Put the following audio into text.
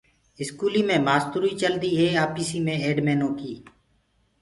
اسڪوليٚ مي استآدوئي چلديٚ هي آپيسيٚ مي ايڊ مينوئيٚ